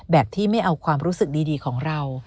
แบบที่ไม่เอาความรู้สึกดีของเรา